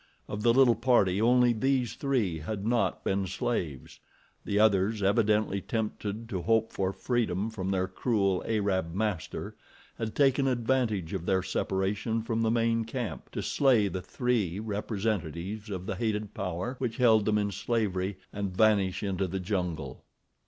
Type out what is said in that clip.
Of the little party only these three had not been slaves. The others, evidently tempted to hope for freedom from their cruel Arab master, had taken advantage of their separation from the main camp, to slay the three representatives of the hated power which held them in slavery, and vanish into the jungle.